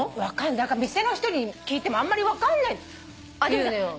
だから店の人に聞いてもあんまり分かんないって言うのよ。